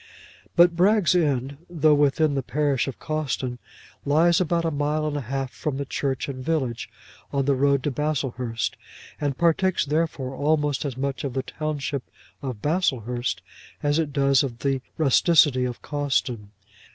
But Bragg's End, though within the parish of Cawston, lies about a mile and a half from the church and village, on the road to Baslehurst, and partakes therefore almost as much of the township of Baslehurst as it does of the rusticity of Cawston.